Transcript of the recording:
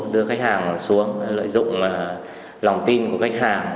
đưa khách hàng xuống lợi dụng lòng tin của khách hàng